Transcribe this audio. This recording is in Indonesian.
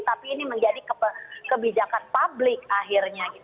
tapi ini menjadi kebijakan publik akhirnya